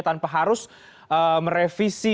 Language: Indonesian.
tanpa harus merevisi